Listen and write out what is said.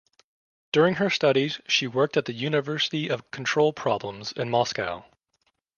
During her studies she worked at the Institute of Control Problems in Moscow.